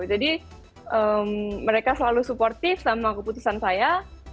jadi mereka selalu supportif sama keputusan saya